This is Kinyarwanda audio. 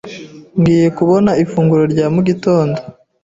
Ngiye kubona ifunguro rya mu gitondo.